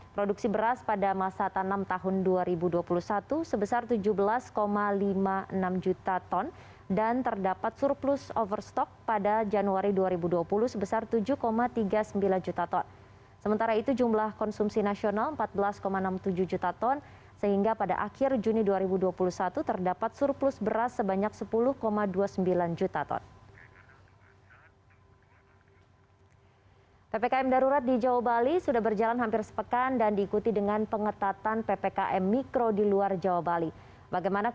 produksi beras pada masa tanam tahun dua ribu dua puluh satu sebesar tujuh belas lima puluh enam juta ton